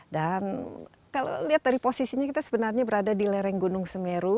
dan kalau lihat dari posisinya kita sebenarnya berada di lereng gunung semeru